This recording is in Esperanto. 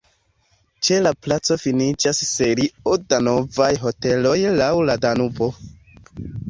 Ĉe la placo finiĝas serio da novaj hoteloj laŭ la Danubo.